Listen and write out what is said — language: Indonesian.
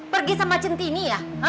pergi sama centini ya